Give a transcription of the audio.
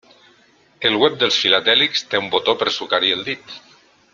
El web dels filatèlics té un botó per sucar-hi el dit.